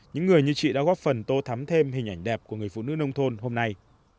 những người như chị đã góp phần tô thắm thêm hình ảnh đẹp của người phụ nữ nông thôn hôm nay